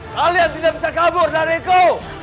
kalian tidak bisa kabur dariku